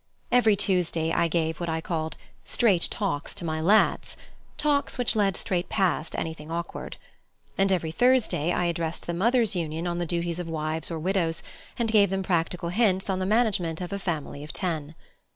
Every Tuesday I gave what I called "straight talks to my lads" talks which led straight past anything awkward. And every Thursday I addressed the Mothers' Union on the duties of wives or widows, and gave them practical hints on the management of a family of ten.